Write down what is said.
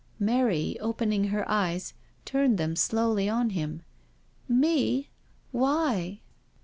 Mary, opening her eyes, turned them slowly on him. "Me? Why?'